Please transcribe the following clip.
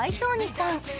さん。